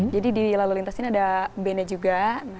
jadi di lalu lintas ini ada band nya juga